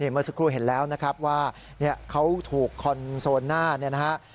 เมื่อสักครู่เห็นแล้วว่าเขาถูกคอนโซนหน้า